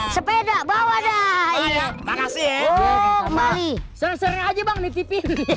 sepeda bawah dah ya makasih eh oh mari sering sering aja bang di tv